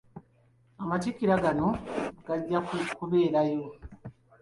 Amatikkira gano gajja kubeerayo.